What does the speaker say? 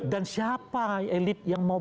dan siapa elit yang mau bertanggung jawab